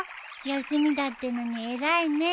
休みだってのに偉いね。